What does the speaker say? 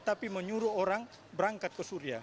tapi menyuruh orang berangkat ke suria